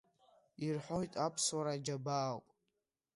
Ирҳәоит аԥсуара џьабаауп…